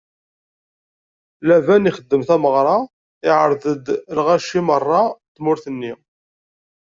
Laban ixdem tameɣra, iɛerḍ-d lɣaci meṛṛa n tmurt-nni.